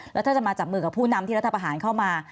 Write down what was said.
แล้วถ้าจะมาจับมือกับผู้นำที่รัฐประหารเข้ามา